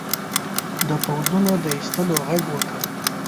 د پوځونو د ایستلو ږغ وکړ.